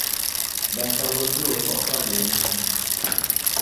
bantabiga vili o zuɣu tabili o ninni.